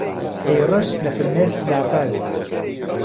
ئهیڕشت له فرمێسک لافاوێ